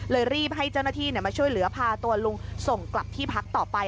รีบให้เจ้าหน้าที่มาช่วยเหลือพาตัวลุงส่งกลับที่พักต่อไป